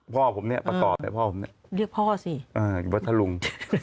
พ่อผมเนี่ยประกอบเนี่ยพ่อผมเนี่ยเรียกพ่อสิอยู่พัทธลุง